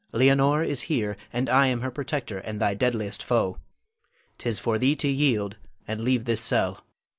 Leonore is here, and I am her protector and thy deadliest foe. 'Tis for thee to yield and leave this cell.